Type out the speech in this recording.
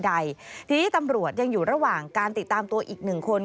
ใดทีนี้ตำรวจยังอยู่ระหว่างการติดตามตัวอีกหนึ่งคน